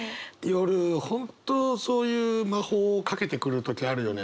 夜本当そういう魔法をかけてくる時あるよね。